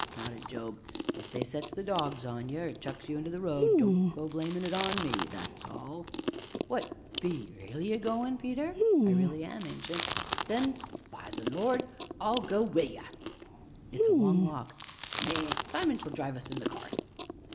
nodded Job, "if they sets the dogs on ye, or chucks you into the road don't go blamin' it on to me, that's all!" "What be ye really a goin', Peter?" "I really am, Ancient." "Then by the Lord! I'll go wi' ye." "It's a long walk!" "Nay Simon shall drive us in the cart."